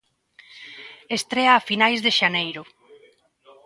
Estrea a finais de xaneiro.